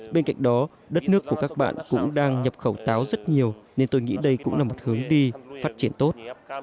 bên cạnh đó đất nước của các bạn cũng đang nhập khẩu táo rất nhiều nên tôi nghĩ đây cũng là một hướng đi phát triển tốt